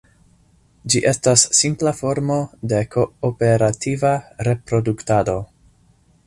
Ĝi estas simpla formo de kooperativa reproduktado.